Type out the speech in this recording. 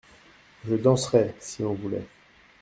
Je danserais, si on voulait.